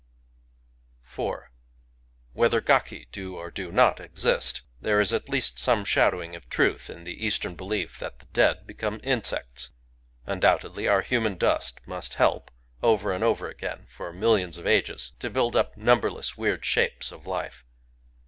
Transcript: ••. Digitized by Googk 196 GAKI IV Whether gaki do or do not exist, there is at least some shadowing of truth in the Eastern belief that the dead become insects. Undoubtedly our human dust must help, over and over again for millions of ages, to build up numberless weird shapes of life.